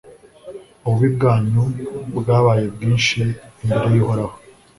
ububi bwanyu bwabaye bwinshi imbere y'uhoraho